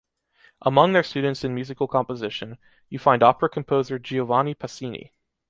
Among their students in musical composition, you find opera composer Giovanni Pacini.